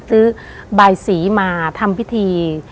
ซื้อบายสีมาทำพิธี